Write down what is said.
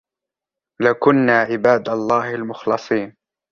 لَكُنَّا عِبَادَ اللَّهِ الْمُخْلَصِينَ